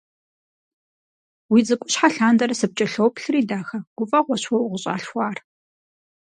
Уи цӀыкӀущхьэ лъандэрэ сыпкӀэлъоплъри, дахэ, гуфӀэгъуэщ уэ укъыщӀалъхуар.